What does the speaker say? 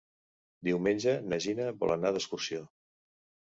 Diumenge na Gina vol anar d'excursió.